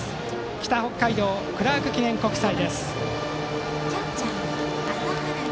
北北海道・クラーク記念国際。